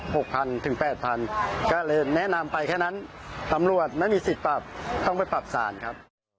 หกพันถึงแปดพันก็เลยแนะนำไปแค่นั้นตำรวจไม่มีสิทธิ์ปรับต้องไปปรับศาลครับ